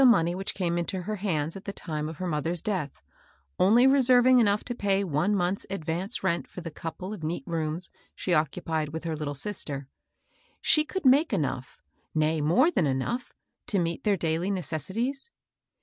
money which came into her hands at the time of her mother's death, only reserving enough to pay one month's advance rent for the couple of neat rooms she occupied with her little sister, — she could make enou^, nay more than enough, to meet their daily necessities?